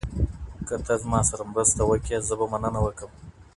که ته زما سره مرسته وکړې زه به مننه وکړم.